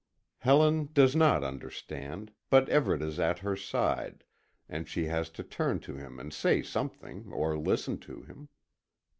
Helen does not understand, but Everet is at her side, and she has to turn to him, and say something, or listen to him.